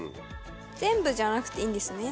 全部じゃなくていいんですね？